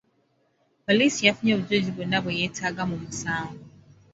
Poliisi yafunye obujulizi bwonna bwe beetaaga mu musango.